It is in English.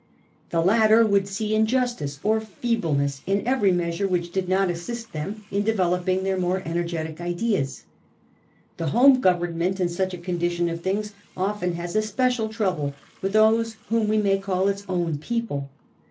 The latter would see injustice or feebleness in every measure which did not assist them in developing their more energetic ideas. The home Government in such a condition of things often has especial trouble with those whom we may call its own people.